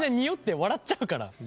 笑っちゃうから。